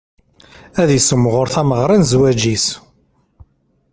Ad issemɣer tameɣra n zzwaǧ-is.